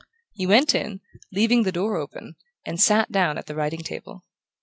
He went in, leaving the door open, and sat down at the writing table.